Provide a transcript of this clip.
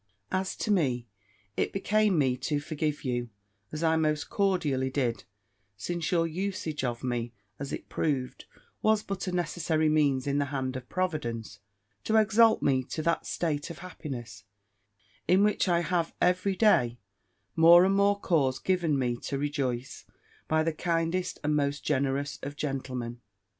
"As to me, it became me to forgive you, as I most cordially did; since your usage of me, as it proved, was but a necessary means in the hand of Providence, to exalt me to that state of happiness, in which I have every day more and more cause given me to rejoice, by the kindest and most generous of gentlemen.